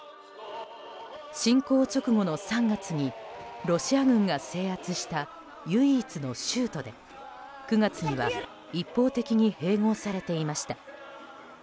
侵攻直後の３月にロシア軍が制圧した唯一の州都で９月には一方的に併合されていました。